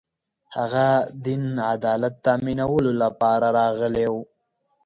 هغه دین عدالت تأمینولو لپاره راغلی و